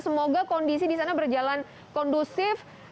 semoga kondisi di sana berjalan kondusif